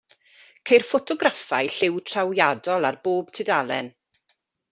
Ceir ffotograffau lliw trawiadol ar bob tudalen.